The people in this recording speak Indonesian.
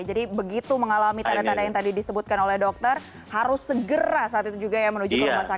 jadi begitu mengalami tanda tanda yang tadi disebutkan oleh dokter harus segera saat itu juga ya menuju ke rumah sakit